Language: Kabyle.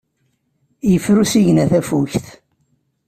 Yeffer usigna tafukt.